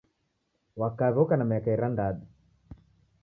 Wa kaw'i oka na miaka irandadu.